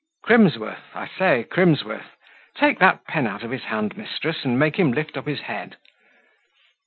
"Crimsworth! I say, Crimsworth! take that pen out of his hand, mistress, and make him lift up his head."